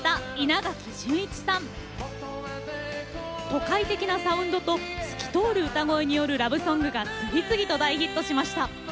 都会的なサウンドと透き通る歌声によるラブソングが次々と大ヒットしました。